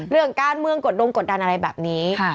เรื่องการเมืองกดดมกดดันอะไรแบบนี้